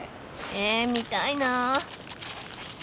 え見たいな。